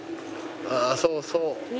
ああそうそう。